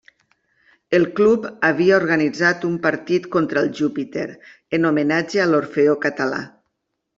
El club havia organitzat un partit contra el Júpiter en homenatge a l'Orfeó Català.